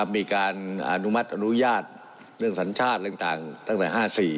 มีการอนุมัติอนุญาตเรื่องสัญชาติเรื่องต่างตั้งแต่๕๔